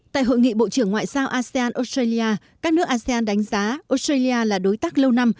tại hội nghị bộ trưởng ngoại giao asean australia các nước asean đánh giá australia là đối tác lâu năm